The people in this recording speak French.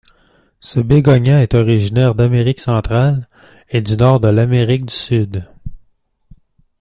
Ce bégonia est originaire d'Amérique centrale et du nord de l'Amérique du Sud.